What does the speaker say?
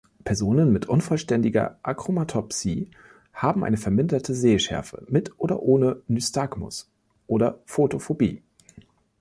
Personen mit unvollständiger Achromatopsie haben eine verminderte Sehschärfe mit oder ohne Nystagmus oder Photophobie.